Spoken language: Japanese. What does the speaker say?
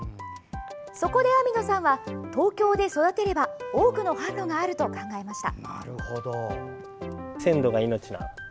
そこで網野さんは東京で育てれば多くの販路があると考えました。